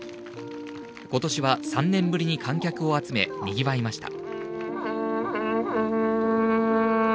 ことしは３年ぶりに観客を集めにぎわいました。